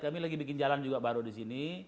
kami lagi bikin jalan juga baru di sini